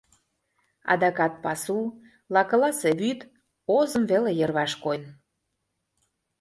Адакат пасу, лакыласе вӱд, озым веле йырваш койын.